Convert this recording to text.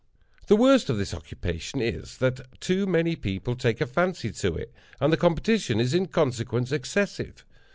The worst of this occupation is, that too many people take a fancy to it, and the competition is in consequence excessive.